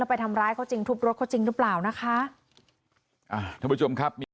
แล้วไปทำร้ายเขาจริงทุบรถเขาจริงหรือเปล่านะคะ